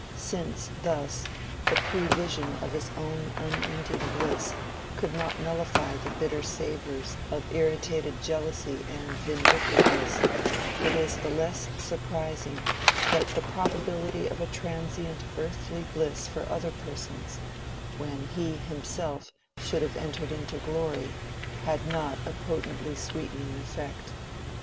Since, thus, the prevision of his own unending bliss could not nullify the bitter savors of irritated jealousy and vindictiveness, it is the less surprising that the probability of a transient earthly bliss for other persons, when he himself should have entered into glory, had not a potently sweetening effect.